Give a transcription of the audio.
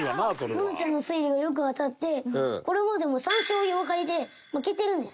愛菜ちゃんの推理がよく当たってこれまでも３勝４敗で負けてるんです。